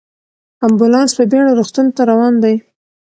امبولانس په بیړه روغتون ته روان دی.